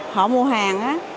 họ mua hàng